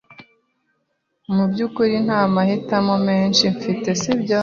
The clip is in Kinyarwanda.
Mubyukuri nta mahitamo menshi mfite, sibyo?